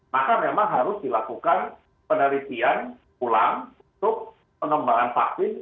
maka memang harus dilakukan penelitian ulang untuk pengembangan vaksin